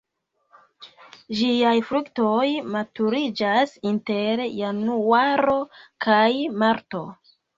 Ĝiaj fruktoj maturiĝas inter januaro kaj marto.